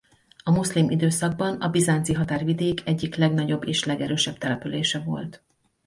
A muszlim időszakban a bizánci határvidék egyik legnagyobb és legerősebb települése volt.